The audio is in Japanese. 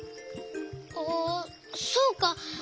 あそうか。